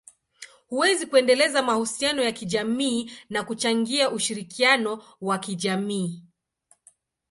huweza kuendeleza mahusiano ya kijamii na kuchangia ushirikiano wa kijamii.